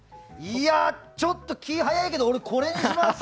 ちょっと気が早いけど俺、これにします！